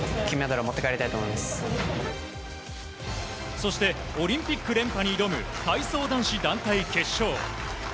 そして、オリンピック連覇に挑む体操男子団体決勝。